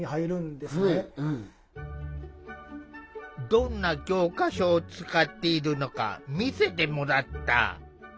どんな教科書を使っているのか見せてもらった。